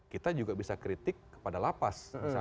kita juga bisa kritik kepada lapas